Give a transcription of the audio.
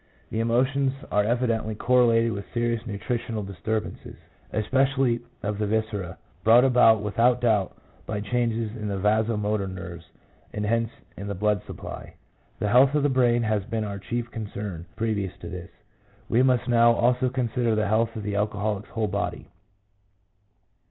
The emotions are EMOTIONS. 143 evidently correlated with serious nutritional disturb ances, especially of the viscera, brought about without doubt by changes in the vasomotor nerves, and hence in the blood supply. The health of the brain has been our chief concern previous to this ; we must now also consider the health of the alcoholic's whole body.